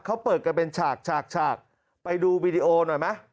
เขาเปิดกันเป็นฉากฉากฉากไปดูวีดีโอหน่อยไหม